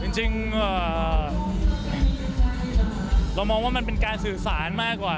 จริงเรามองว่ามันเป็นการสื่อสารมากกว่า